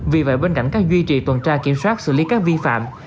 vì vậy bên cạnh các duy trì tuần tra kiểm soát xử lý các vi phạm